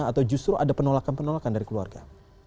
atau justru ada penolakan penolakan dari keluarga